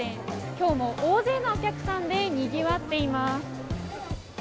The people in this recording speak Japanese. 今日も大勢のお客さんでにぎわっています。